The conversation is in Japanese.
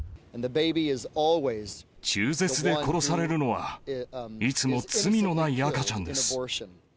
中絶で殺されるのは、いつも罪のない赤ちゃんです。